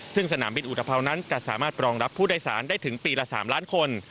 ซึ่งสนามบินอุตภาวนั้นจะสามารถรองรับผู้โดยสารได้ถึงปีละ๓ล้านคน